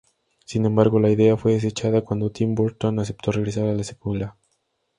Sin embargo, la idea fue desechada cuando Tim Burton aceptó regresar a la secuela.